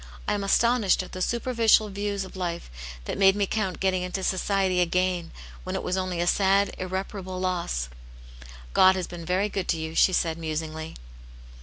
I am astonished at the superficial views of life that made me count getting into society a gain when it was only ^ sad, irreparable loss." '*God has been very good to you," she said, musingly.